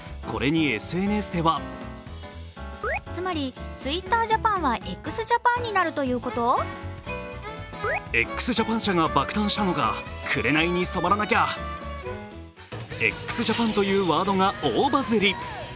これにＳＮＳでは「ＸＪＡＰＡＮ」というワードが大バズり。